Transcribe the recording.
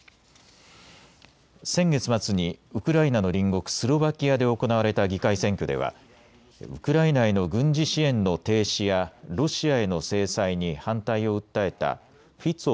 先月末にウクライナの隣国、スロバキアで行われた議会選挙ではウクライナへの軍事支援の停止やロシアへの制裁に反対を訴えたフィツォ